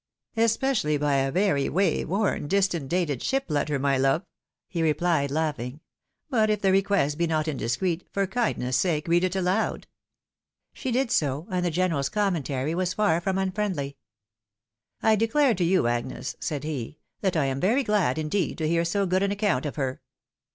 "Especially by a very way worn, distant dated ship letter, my love," he replied, laughing. " But if the request be not in discreet, for kindness' sake read it aloud." She did so, and the general's commentary was far from unfriendly. " I declare to you, Agnes," said he, " that I am very glad indeed to hear so good an account of her."